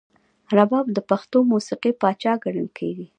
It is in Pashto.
رباب د پښتو موسیقۍ پاچا ګڼل کیږي.